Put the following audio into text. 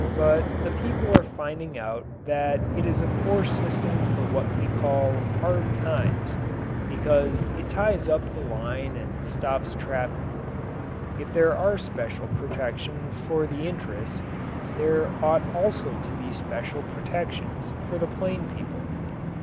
But the people are finding out that it is a poor system for what we call "hard times" because it ties up the line and stops traffic. If there are special protections for the interests, there ought also to be special protections for the plain people.